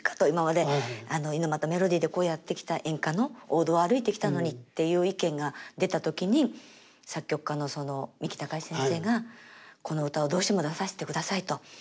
「今まで猪俣メロディーでこうやってきた演歌の王道を歩いてきたのに」っていう意見が出た時に作曲家の三木たかし先生が「この歌をどうしても出させてください」と。